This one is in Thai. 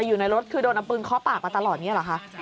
อยู่ในรถคือโดนเอาปืนเคาะปากมาตลอดอย่างนี้เหรอคะ